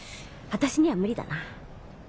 私には無理だな。